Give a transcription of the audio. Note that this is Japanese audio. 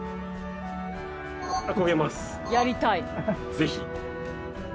ぜひ。